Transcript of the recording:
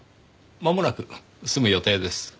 まもなく済む予定です。